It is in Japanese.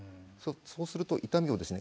そうすると痛みをですね